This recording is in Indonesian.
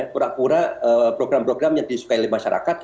pura pura program program yang disukai oleh masyarakat